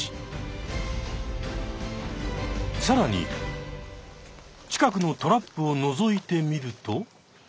さらに近くのトラップをのぞいてみると。